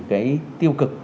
cái tiêu cực